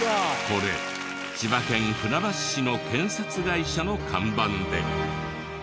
これ千葉県船橋市の建設会社の看板で。